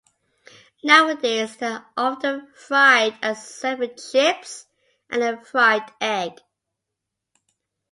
Nowadays they are often fried and served with chips and a fried egg.